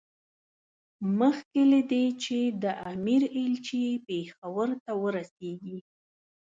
مخکې له دې چې د امیر ایلچي پېښور ته ورسېږي.